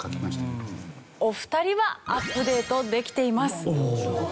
お二人はアップデートできています。